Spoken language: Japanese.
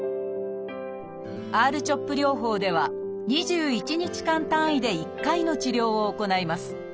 Ｒ−ＣＨＯＰ療法では２１日間単位で１回の治療を行います。